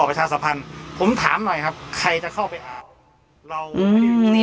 ประชาสรรพันธ์ผมถามหน่อยครับใครจะเข้าไปอ่าอืมนี่